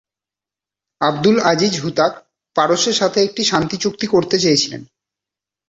আবদুল আজিজ হুতাক পারস্যের সাথে একটি শান্তিচুক্তি করতে চেয়েছিলেন।